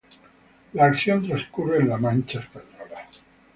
La acción trascurre en La Mancha española.